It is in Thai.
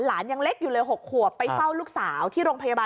ยังเล็กอยู่เลย๖ขวบไปเฝ้าลูกสาวที่โรงพยาบาล